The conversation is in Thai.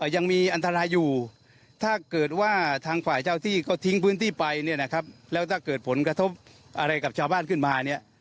ยังมีอันตรายอยู่ถ้าเกิดว่าทางฝ่ายเจ้าที่เขาทิ้งพื้นที่ไปเนี่ยนะครับแล้วถ้าเกิดผลกระทบอะไรกับชาวบ้านขึ้นมาเนี่ย